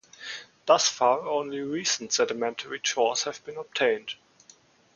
Thus far, only "recent" sedimentary cores have been obtained.